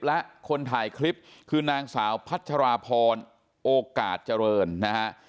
และคนถ่ายคลิปคือนางสาวพัชราพรโอกาสเจริญนะฮะ